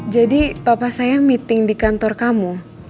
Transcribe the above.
jadi papa saya meeting di kantor kamu